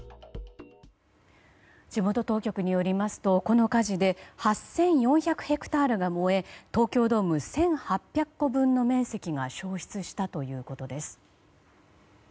地元当局によりますとこの火事で８４００ヘクタールが燃え東京ドーム１８００個分の面積が焼失したということです。